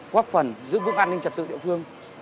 góp phần giữ vững an ninh trật tự địa phương